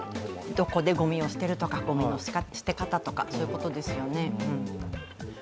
どこでごみを捨てるとか、ごみの捨て方とかそういうことですよね。